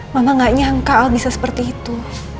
mama gak nyangka kalau bisa seperti itu